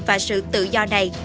và sự tự do này